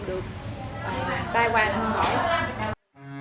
được tai quan hơn khỏi